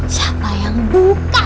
siapa yang buka